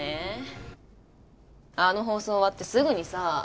あの放送終わってすぐにさ。